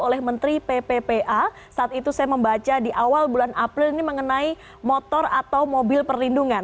oleh menteri pppa saat itu saya membaca di awal bulan april ini mengenai motor atau mobil perlindungan